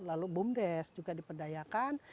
lalu bumdes juga diperdayakan